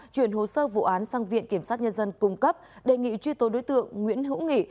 chuyển hồ sơ vụ án sang viện kiểm sát nhân dân cung cấp đề nghị truy tố đối tượng nguyễn hữu nghị